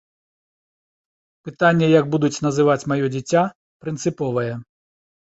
Пытанне, як будуць называць маё дзіця, прынцыповае.